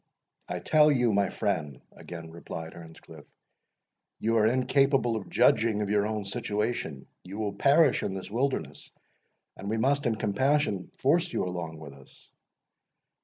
"I tell you, my friend," again replied Earnscliff, "you are incapable of judging of your own situation you will perish in this wilderness, and we must, in compassion, force you along with us."